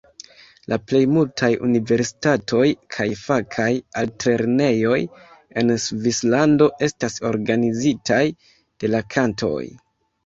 La plej multaj universitatoj kaj fakaj altlernejoj en Svislando estas organizitaj de la kantonoj.